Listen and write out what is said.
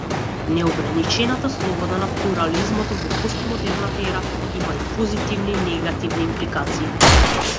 Неограничената слобода на плурализмот во постмодерната ера има и позитивни и негативни импликации.